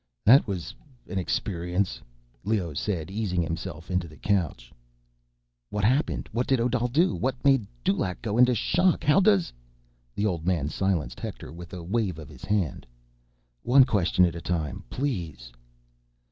"That was ... an experience," Leoh said, easing himself onto the couch. "What happened? What did Odal do? What made Dulaq go into shock? How does—" The old man silenced Hector with a wave of his hand. "One question at a time, please."